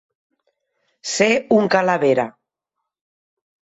Ser un calavera.